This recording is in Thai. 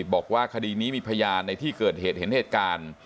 บอกว่าคดีนี้มีพยานในที่เกิดเหตุเห็นเหตุการณ์